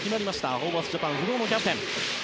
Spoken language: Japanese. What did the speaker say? ホーバスジャパン不動のキャプテンです。